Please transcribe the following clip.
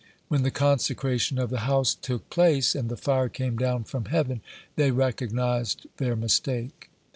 When the consecration of the house took place, and "the fire came down from heaven," they recognized their mistake.